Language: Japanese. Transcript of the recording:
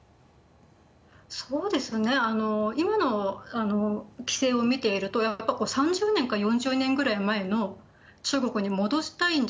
そうですね、今の規制を見ていると、３０年か４０年ぐらい前の中国に戻したいんじゃ。